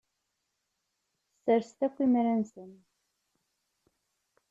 Sserset akk imra-nsen.